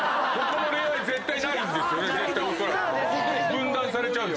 分断されちゃう。